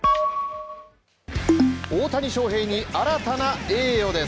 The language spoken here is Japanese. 大谷翔平に新たな栄誉です。